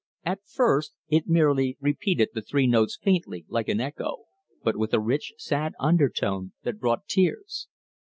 At first it merely repeated the three notes faintly, like an echo, but with a rich, sad undertone that brought tears.